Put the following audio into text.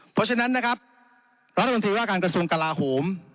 เพราะฉะนั้นนะครับรัฐมนตรีว่าการกระทรวงกลาโหม